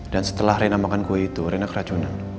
dan setelah rena makan kue itu renek racunan